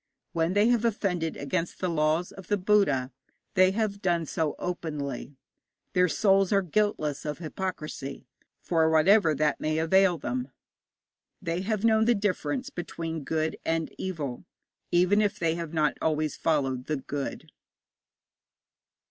When they have offended against the laws of the Buddha they have done so openly. Their souls are guiltless of hypocrisy for whatever that may avail them. They have known the difference between good and evil, even if they have not always followed the good.